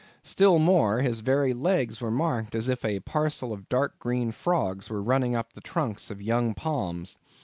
Still more, his very legs were marked, as if a parcel of dark green frogs were running up the trunks of young palms.